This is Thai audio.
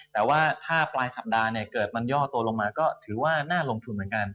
แต่ว่าถ้าปลายสัปดาห์เนี่ยเกิดมันย่อตัวลงมาก็ถือว่าน่าลงทุนเหมือนกัน